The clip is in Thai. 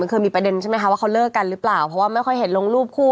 เคยมีประเด็นใช่ไหมคะว่าเขาเลิกกันหรือเปล่าเพราะว่าไม่ค่อยเห็นลงรูปคู่